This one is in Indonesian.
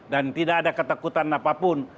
dan tidak ada ketakutan apapun